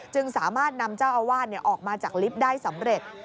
จึงสามารถนำเจ้าอาวาสออกมาจากลิฟต์ได้สำเร็จ